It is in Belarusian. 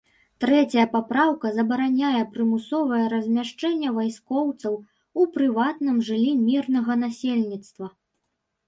Трэцяя папраўка забараняе прымусовае размяшчэнне вайскоўцаў у прыватным жыллі мірнага насельніцтва.